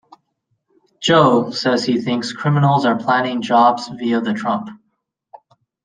Joe says he thinks criminals are planning jobs via the Trump.